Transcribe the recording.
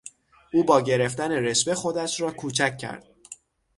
او با گرفتن رشوه خودش را کوچک کرد.